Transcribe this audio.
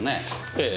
ええ。